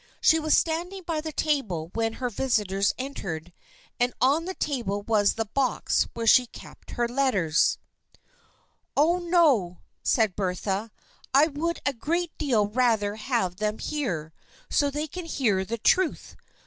She was standing by the table when her visitors entered, and on the table was the box where she kept her letters. THE FRIENDSHIP OF ANNE 23? " Oh, no," said Bertha. " I would a great deal rather have them here, so they can hear the truth.